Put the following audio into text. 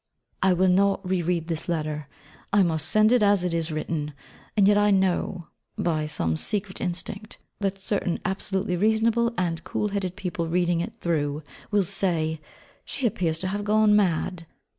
... I will not re read this letter, I must send it as it is written. And yet I know, by some secret instinct, that certain absolutely reasonable and cool headed people reading it through will say: 'She appears to have gone mad.'